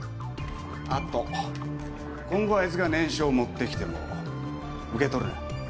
あと今後あいつが念書を持ってきても受け取るな。